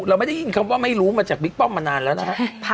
เราไม่ได้ยินคำว่าไม่รู้มาจากบิ๊กป้อมมานานแล้วนะฮะ